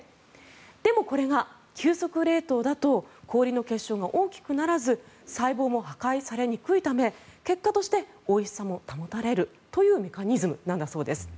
でもこれが急速冷凍だと氷の結晶が大きくならず細胞も破壊されにくいため結果としておいしさも保たれるというメカニズムなんだそうです。